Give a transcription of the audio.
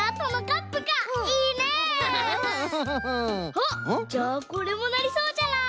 あっじゃあこれもなりそうじゃない？